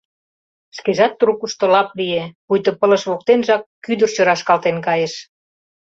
Шкежат трукышто лап лие, пуйто пылыш воктенжак кӱдырчӧ рашкалтен кайыш.